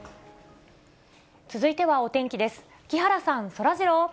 続いてはお天気です。